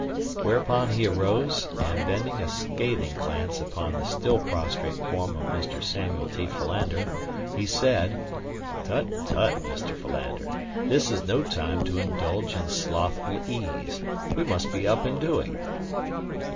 Whereupon he arose, and, bending a scathing glance upon the still prostrate form of Mr. Samuel T. Philander, he said: "Tut, tut, Mr. Philander; this is no time to indulge in slothful ease. We must be up and doing."